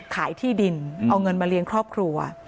ขายที่ดินเอาเงินมาเลี้ยงครอบครัว